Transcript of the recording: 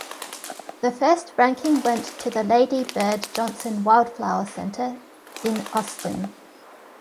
The first ranking went to the Lady Bird Johnson Wildflower Center in Austin.